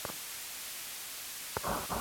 আমার কাজিনের জন্য ক্ষমা চাচ্ছি।